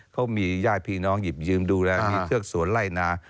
เขามีญาติพี่น้องหยิบยืมดูแลมีเชือกสวนไล่นา